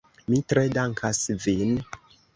Mi tre dankas vin.